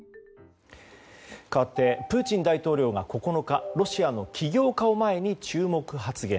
かわってプーチン大統領が９日ロシアの起業家を前に注目発言。